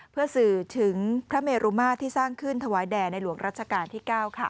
เพื่อสื่อถึงพระเมรุมาที่สร้างขึ้นถวายแด่ในหลวงรัชกาลที่๙ค่ะ